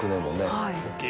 はい。